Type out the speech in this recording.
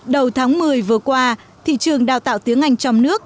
đầu tháng một mươi vừa qua thị trường đào tạo tiếng anh trong nước